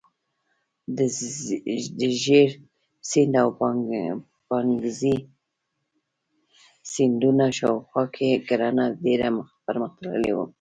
د ژیړ سیند او یانګزي سیندونو شاوخوا کې کرنه ډیره پرمختللې وه.